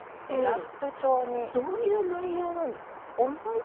どういう内容なんですか。